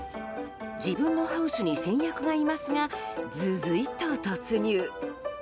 自分のハウスに先約がいますがずずいと突入。